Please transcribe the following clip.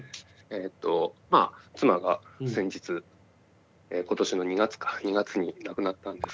えっとまあ妻が先日今年の２月か２月に亡くなったんですけれども。